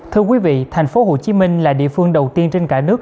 thưa quý vị thành phố hồ chí minh là địa phương đầu tiên trên cả nước